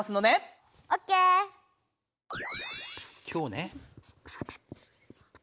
今日ね。